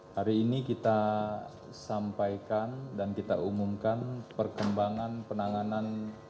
hari ini kita sampaikan dan kita umumkan perkembangan penanganan